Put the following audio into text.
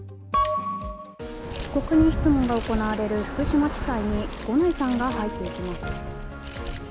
被告人質問が行われる福島地裁に五ノ井さんが入っていきます。